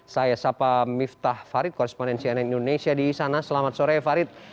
saya sapa miftah farid korespondensi nn indonesia di sana selamat sore farid